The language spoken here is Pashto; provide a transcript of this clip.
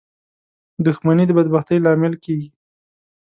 • دښمني د بدبختۍ لامل کېږي.